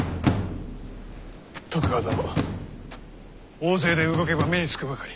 大勢で動けば目に付くばかり。